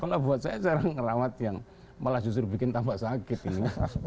kalau buat saya cara merawat yang malah justru bikin tampak sakit ini